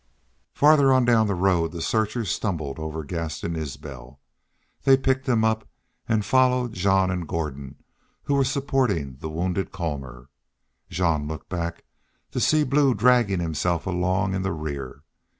Farther on down the road the searchers stumbled over Gaston Isbel. They picked him up and followed Jean and Gordon, who were supporting the wounded Colmor. Jean looked back to see Blue dragging himself along in the rear.